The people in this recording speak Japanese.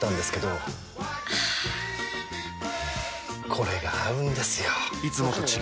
これが合うんですよ！